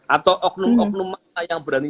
atau oknum oknum mana yang berani